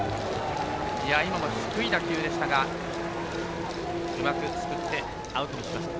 今の低い打球でしたがうまくすくってアウトになりました。